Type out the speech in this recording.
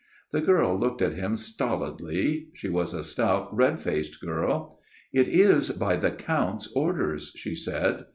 " The girl looked at him stolidly. She was a stout, red faced girl. ' It is by the Count's orders/ she said.